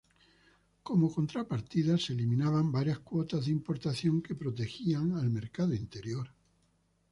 Como contrapartida se eliminaban varias cuotas de importación que protegían al mercado interior.